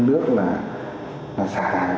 nước là sát thải